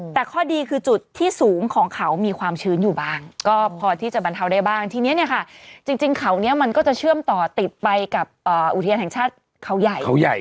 แต่ข้อดีคือจุดที่สูงของเขามีความชื้นอยู่บ้างก็พอที่จะบรรเทาได้บ้างทีนี้เนี่ยค่ะจริงเขาเนี่ยมันก็จะเชื่อมต่อติดไปกับอุทยานแห่งชาติเขาใหญ่เขาใหญ่